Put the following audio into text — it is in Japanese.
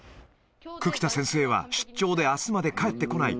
久木田先生は出張であすまで帰ってこない。